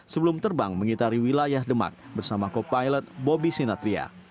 sebelum terbang mengitari wilayah demak bersama kopilot bobby sinatria